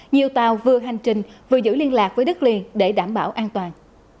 nhiều tàu vừa hành trình vừa giữ liên lạc với đất liền để đảm bảo an toàn